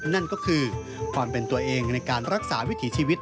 นั่นก็คือความเป็นตัวเองในการรักษาวิถีชีวิต